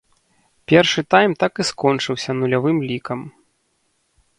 Першы тайм так і скончыўся нулявым лікам.